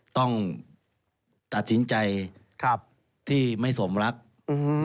ต้องตัดสินใจที่ไม่สมรักไม่สมหวัง